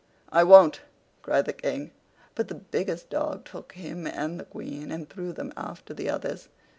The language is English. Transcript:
"I won't!" cried the King; but the biggest dog took him and the Queen, and threw them after the others.